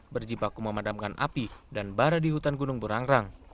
berjibak memadamkan api dan bara di hutan gunung burang rang